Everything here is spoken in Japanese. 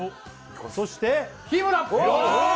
そして日村！